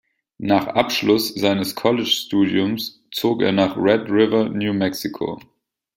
Nach Abschluss seines College-Studiums zog er nach Red River, New Mexico.